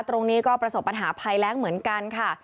ตรงนี้ก็ประสบปัญหาภัยแรงเหมือนกันค่ะ